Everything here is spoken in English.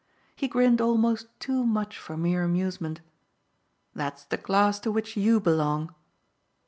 He grinned almost too much for mere amusement. "That's the class to which YOU belong."